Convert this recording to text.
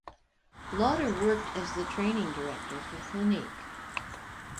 Lauder worked as the training director for Clinique.